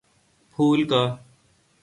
پھول کا